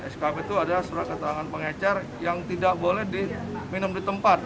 skp itu adalah surat keterangan pengecar yang tidak boleh diminum di tempat